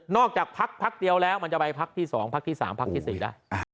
จากพักพักเดียวแล้วมันจะไปพักที่๒พักที่๓พักที่๔ได้